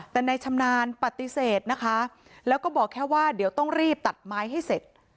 แต่ในชำนาญปฏิเสธนะคะแล้วก็บอกแค่ว่าเดี๋ยวต้องรีบตัดไม้ให้เสร็จ